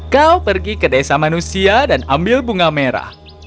kau pergi ke desa manusia dan ambil bunga merah